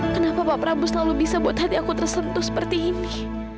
kenapa pak prabu selalu bisa buat hati aku tersentuh seperti ini